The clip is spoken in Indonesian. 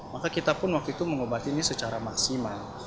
maka kita pun waktu itu mengobatinya secara maksimal